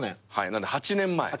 なんで８年前。